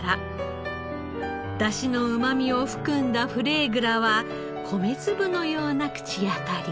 出汁のうまみを含んだフレーグラは米粒のような口当たり。